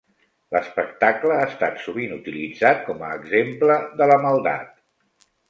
L'espectacle ha estat sovint utilitzat com a exemple de la maldat.